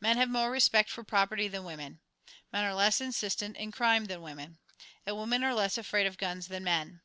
Men have more respect for property than women. Men are less insistent in crime than women. And women are less afraid of guns than men.